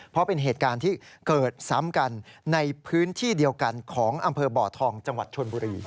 เพราะเป็นเหตุการณ์ที่เกิดซ้ำกันในพื้นที่เดียวกันของอำเภอบ่อทองจังหวัดชนบุรี